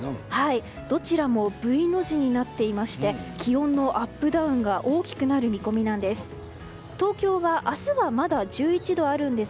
どちらもＶの字になっていまして気温のアップダウンが大きくなる見込みなんです。